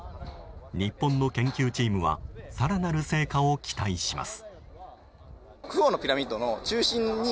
日本の研究チームは更なる成果を期待します。